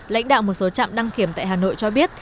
lãnh đạo một số trạm đăng kiểm tại hà nội cho biết